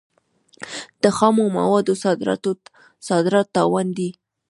د خامو موادو صادرات تاوان دی.